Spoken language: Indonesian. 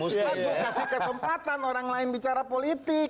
saya kasih kesempatan orang lain bicara politik